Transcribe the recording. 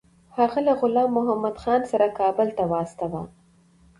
هغه له غلام محمدخان سره کابل ته واستاوه.